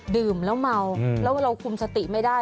ดื่มแล้วเมาแล้วเราคุมสติไม่ได้